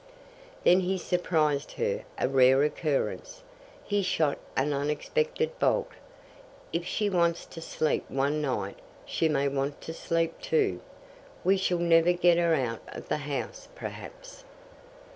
Then he surprised her a rare occurrence. He shot an unexpected bolt. "If she wants to sleep one night, she may want to sleep two. We shall never get her out of the house, perhaps."